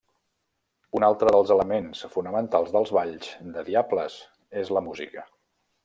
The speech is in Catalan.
Un altre dels elements fonamentals dels balls de diables és la música.